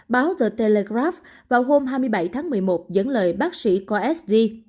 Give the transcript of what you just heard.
báo the telegraph vào hôm hai mươi bảy tháng một mươi một dẫn lời bác sĩ khoa s d